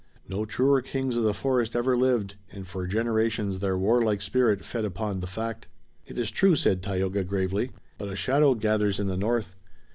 No truer kings of the forest ever lived, and for generations their warlike spirit fed upon the fact. "It is true," said Tayoga gravely, "but a shadow gathers in the north.